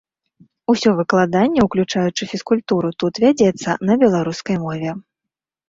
Усё выкладанне, уключаючы фізкультуру, тут вядзецца на беларускай мове.